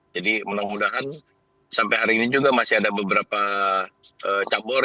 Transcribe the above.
mudah mudahan sampai hari ini juga masih ada beberapa cabur